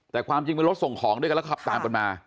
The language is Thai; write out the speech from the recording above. แต่ความจริงมั้ยรถส่งของด้วยกับการกลับกลางมา